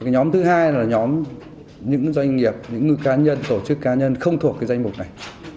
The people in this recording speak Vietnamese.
nhóm thứ hai là nhóm những doanh nghiệp những cá nhân tổ chức cá nhân không thuộc danh mục này